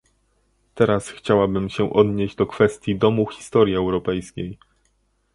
Teraz chciałabym się odnieść do kwestii Domu Historii Europejskiej